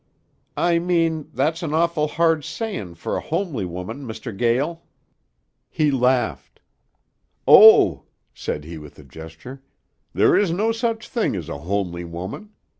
"I mean, that's an awful hard sayin' fer a homely woman, Mr. Gael." He laughed. "Oh," said he with a gesture, "there is no such thing as a homely woman.